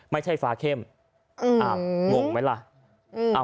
ไม่ใช่ฟ้าเข้มงงไหมล่ะ